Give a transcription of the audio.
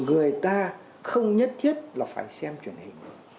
người ta không nhất thiết là phải xem truyền hình